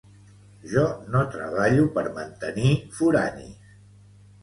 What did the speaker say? Jo no treballo per mantenir foranis